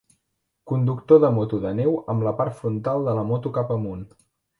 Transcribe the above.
Conductor de moto de neu amb la part frontal de la moto cap amunt.